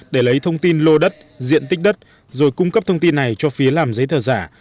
để lấy thông tin lô đất diện tích đất rồi cung cấp thông tin này cho phía làm giấy thờ giả